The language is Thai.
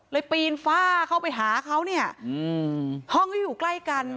ปีนฝ้าเข้าไปหาเขาเนี่ยห้องก็อยู่ใกล้กัน